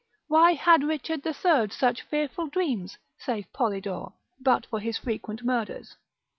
Why had Richard the Third such fearful dreams, saith Polydore, but for his frequent murders?